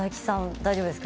大丈夫です。